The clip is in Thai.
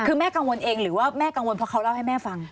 คือแม่กังวลเองหรือว่าแม่กังวลเพราะเขาเล่าให้แม่ฟัง